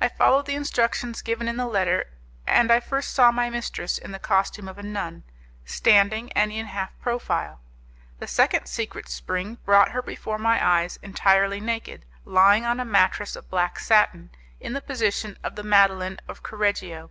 I followed the instructions given in the letter, and I first saw my mistress in the costume of a nun, standing and in half profile. The second secret spring brought her before my eyes, entirely naked, lying on a mattress of black satin, in the position of the Madeleine of Coreggio.